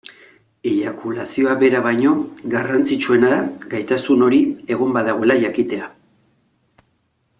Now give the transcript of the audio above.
Eiakulazioa bera baino, garrantzitsuena da gaitasun hori egon badagoela jakitea.